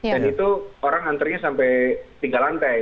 dan itu orang antrenya sampai tiga lantai